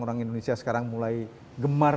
orang indonesia sekarang mulai gemar